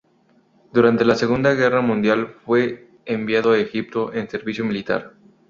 Durante la Segunda Guerra Mundial fue enviado a Egipto en servicio militar.